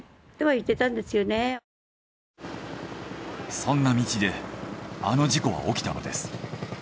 そんな道であの事故は起きたのです。